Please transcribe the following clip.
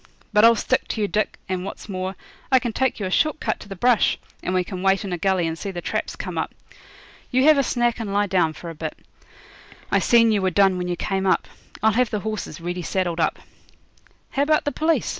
But I'll stick to you, Dick, and, what's more, I can take you a short cut to the brush, and we can wait in a gully and see the traps come up. You have a snack and lie down for a bit. I seen you were done when you came up. I'll have the horses ready saddled up.' 'How about the police?